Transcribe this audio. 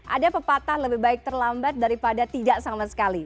ada pepatah lebih baik terlambat daripada tidak sama sekali